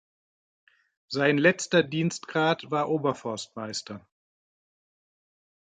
Sein letzter Dienstgrad war Oberforstmeister.